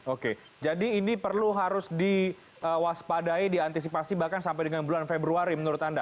oke jadi ini perlu harus diwaspadai diantisipasi bahkan sampai dengan bulan februari menurut anda